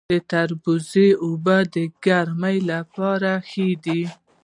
د تربوز اوبه د ګرمۍ لپاره ښې دي.